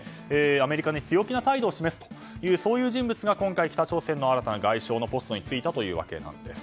アメリカに強気な態度を示すという人物が今回北朝鮮の新たな外相のポストに就いたというわけなんです。